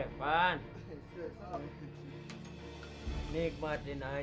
kaka akan buktikan semuanya li